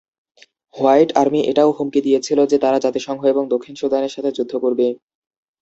White Army এটাও হুমকি দিয়েছিল যে তারা জাতিসংঘ এবং দক্ষিণ সুদানের সাথে যুদ্ধ করবে।